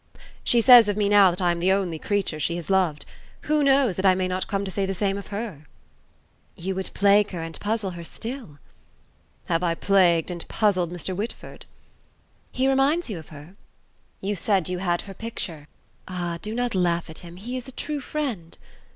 "She says of me now that I am the only creature she has loved. Who knows that I may not come to say the same of her?" "You would plague her and puzzle her still." "Have I plagued and puzzled Mr. Whitford?" "He reminds you of her?" "You said you had her picture." "Ah! do not laugh at him. He is a true friend."